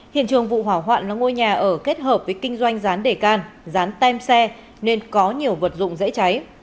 hiện trường vụ hỏa hoạn là ngôi nhà ở kết hợp với kinh doanh rán đề can rán tem xe nên có nhiều vật dụng dễ cháy